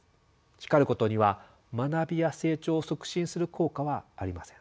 叱ることには学びや成長を促進する効果はありません。